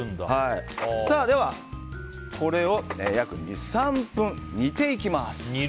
では、これを約２３分煮ていきます。